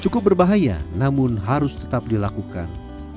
cukup berbahaya namun harus tetap dilakukan